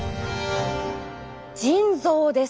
腎臓です。